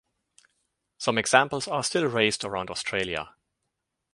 Some examples are still raced around Australia.